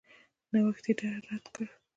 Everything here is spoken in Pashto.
نوښت یې رد کړ.